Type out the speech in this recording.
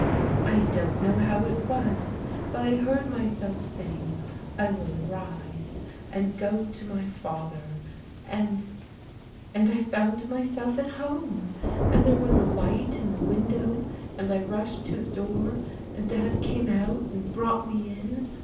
I don't know how it was, but I heard myself saying *I will arise and go to my father,' and — and I found myself at home I — ^And there was a light in the window — and I rushed to the door, and Dad came out and brought me in!